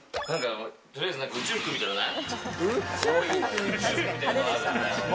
取りあえずなんか宇宙服みたいなのない？